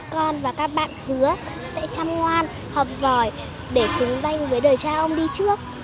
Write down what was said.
con và các bạn hứa sẽ chăm ngoan học giỏi để xứng danh với đời cha ông đi trước